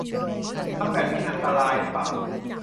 ทำแบบนี้อันตรายหรือเปล่า